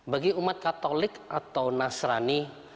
bagi umat katolik atau nasrani